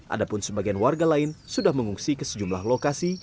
adapun sebagian warga lain sudah mengungsi ke sejumlah lokasi